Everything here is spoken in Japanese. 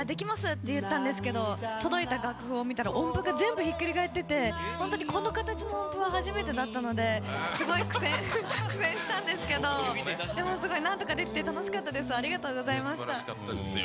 って言ったんですけど届いた楽譜を見たら、音符が全部ひっくり返ってて、この形の音符は初めてだったのですごい苦戦したんですけどでもすごい、何とかできて楽しかったです、ありがとうございました。